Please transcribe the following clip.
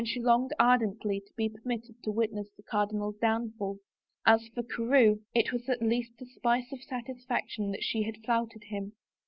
she longed ardently to be permitted to witness the cardinal's downfall. As for Carewe it was at least a spice of satisfaction that she had flouted him.